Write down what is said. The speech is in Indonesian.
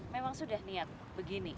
memang sudah niat begini